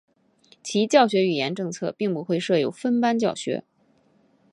其教学语言政策并不会设有分班教学。